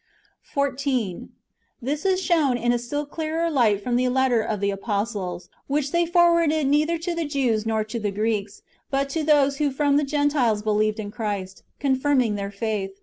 14. This is shown in a still clearer light from the letter of the apostles, which they forwarded neither to the Jews nor to the Greeks, but to those who from the Gentiles believed in Christ, confirming their faith.